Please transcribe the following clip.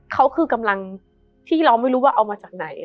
เขาคือกำลังที่เราไม่รู้ว่าเอามาจากไหน